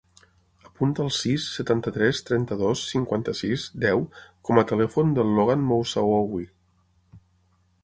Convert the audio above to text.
Apunta el sis, setanta-tres, trenta-dos, cinquanta-sis, deu com a telèfon del Logan Moussaoui.